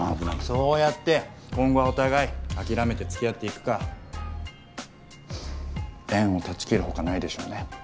そうやって今後はお互い諦めてつきあっていくか縁を断ち切るほかないでしょうね。